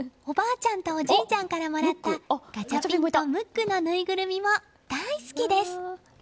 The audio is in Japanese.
ちゃんとおじいちゃんからもらったガチャピンとムックのぬいぐるみも大好きです。